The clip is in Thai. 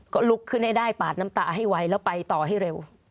ก็ลุกขึ้นให้ได้ปาดน้ำตาให้ไวแล้วไปต่อให้เร็ว